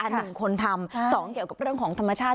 หนึ่งคนทำสองเกี่ยวกับเรื่องของธรรมชาติ